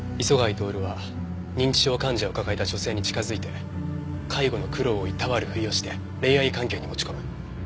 磯貝徹は認知症患者を抱えた女性に近づいて介護の苦労をいたわるふりをして恋愛関係に持ち込む。